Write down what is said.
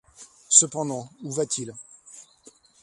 Cependant où va-t-il ?